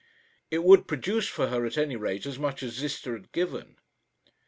It would produce for her at any rate as much as Ziska had given.